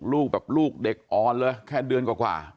ลูกแบบลูกเด็กอ่อนเลยแค่เดือนกว่า